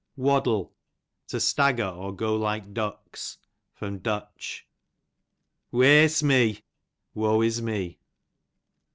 Waddle, to stagger, or go like ducks. Du. Waesme, woe is me.